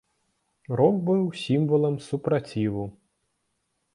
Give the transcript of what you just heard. Рок быў сімвалам супраціву.